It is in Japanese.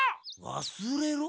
わすれろ？